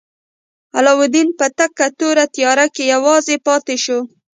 علاوالدین په تکه توره تیاره کې یوازې پاتې شو.